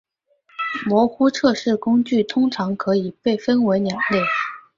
模糊测试工具通常可以被分为两类。